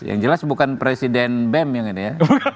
yang jelas bukan presiden bem yang ini ya